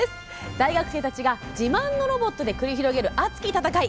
大学生たちが自慢のロボットで繰り広げる熱き戦い。